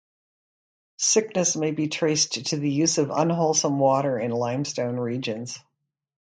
Sickness may be traced to the use of unwholesome water in limestone regions.